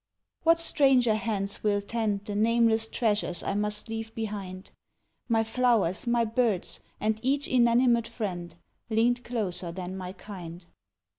What stranger hands will tend The nameless treasures I must leave behind, My flowers, my birds, and each inanimate friend, Linked closer than my kind.